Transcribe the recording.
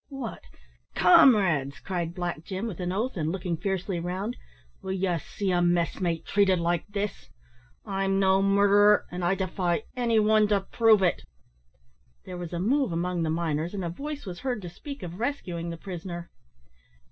"What, comrades," cried Black Jim, with an oath, and looking fiercely round, "will ye see a messmate treated like this? I'm no murderer, an' I defy any one to prove it." There was a move among the miners, and a voice was heard to speak of rescuing the prisoner.